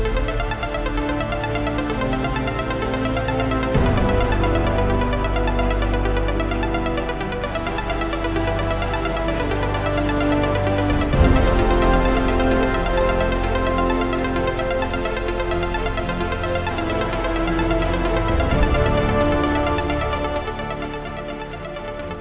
saya ingin dia lumpuh seperti pangeran